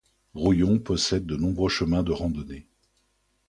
Rouillon possède de nombreux chemins de randonnées.